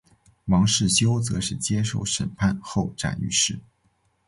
王世修则是接受审判后斩于市。